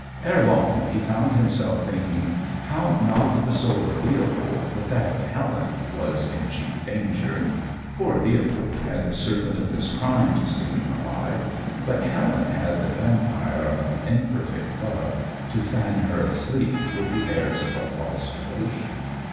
Ere long he found himself thinking how not the soul of Leopold, but that of Helen, was in chief danger. Poor Leopold had the serpent of his crime to sting him alive, but Helen had the vampyre of an imperfect love to fan her asleep with the airs of a false devotion.